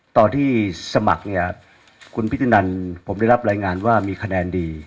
ตอนที่สมัครเนี่ยคุณพิธีนันผมได้รับรายงานว่ามีคะแนนดี